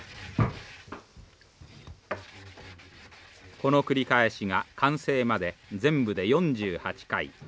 この繰り返しが完成まで全部で４８回。